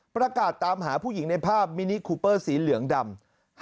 ประกาศตามหาผู้หญิงในภาพมินิคูเปอร์สีเหลืองดำ